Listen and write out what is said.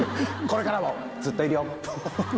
これからもずっといるよ。